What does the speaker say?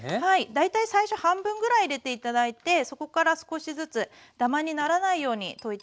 大体最初半分ぐらい入れて頂いてそこから少しずつダマにならないように溶いて下さい。